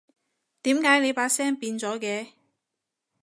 點解你把聲變咗嘅？